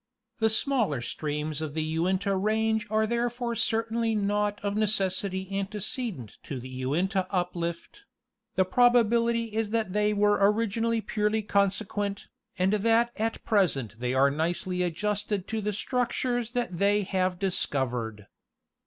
The smaller streams of the Uinta range are therefore certainly not of necessity antecedent to the Uinta uplift: the probability is that they were originally purely consequent, and that at present they are nicely adjusted to the structures that they have discovered.